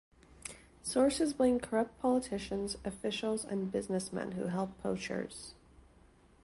Sources blame corrupt politicians, officials and businessmen who help poachers.